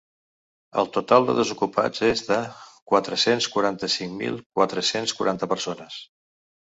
El total de desocupats és de quatre-cents quaranta-cinc mil quatre-cents quaranta persones.